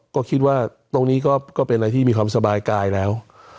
ก็คิดว่าตรงนี้ก็เป็นอะไรที่มีความสบายกายแล้ว